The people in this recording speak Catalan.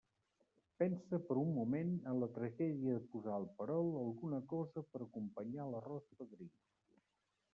Pense per un moment en la tragèdia de posar al perol alguna cosa per a acompanyar l'arròs fadrí.